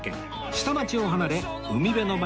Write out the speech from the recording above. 下町を離れ海辺の町